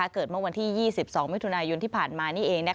เกิดเมื่อวันที่๒๒มิถุนายนที่ผ่านมานี่เอง